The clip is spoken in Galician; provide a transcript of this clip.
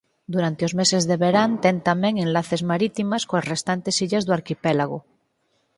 Durante os meses de verán ten tamén enlaces marítimas coas restantes illas do arquipélago.